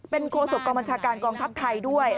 โคศกองบัญชาการกองทัพไทยด้วย